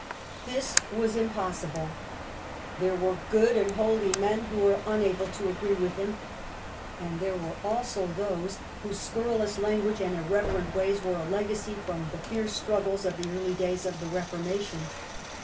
This was impossible. There were good and holy men who were unable to agree with him, and there were also Twofold those whose scurrilous language and irreverent resistance. ^ays Were a legacy from the fierce struggles of the early days of the Reformation.